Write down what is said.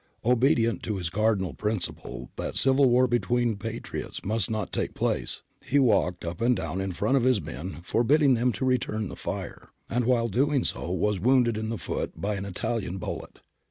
Obedient to his cardinal prmciple that civil war between patriots must not take place, he walked up and down in front of his men for biddmg them to return the fire, and while so doing was wounded in the foot by an ' Itahan bullet.'